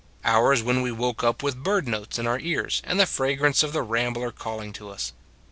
Hours when we woke up with bird notes in our ears and the fragrance of the ram bler calling to us.